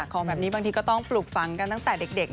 ของแบบนี้บางทีก็ต้องปลูกฝังกันตั้งแต่เด็ก